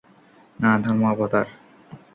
না, ধর্মাবতার।